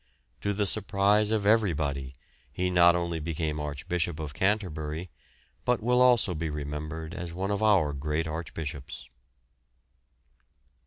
To the surprise of everybody he not only became Archbishop of Canterbury, but will also be remembered as one of our great archbishops.